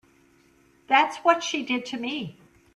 That's what she did to me.